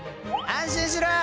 安心しろ！